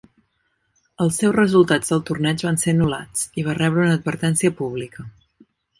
Els seus resultats del torneig van ser anul·lats i va rebre una advertència pública.